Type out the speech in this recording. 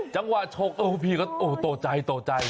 จังหวะโชคโอ้พี่ก็โตใจ